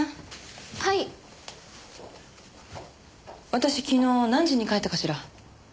私昨日何時に帰ったかしら？